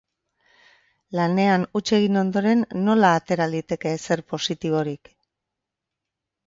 Lanean huts egin ondoren, nola atera liteke ezer positiborik?